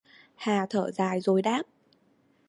Hà thở dài rồi đáp